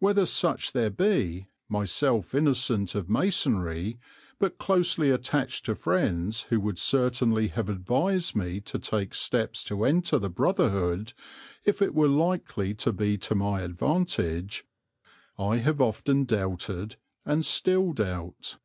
Whether such there be, myself innocent of masonry but closely attached to friends who would certainly have advised me to take steps to enter the brotherhood if it were likely to be to my advantage, I have often doubted and still doubt.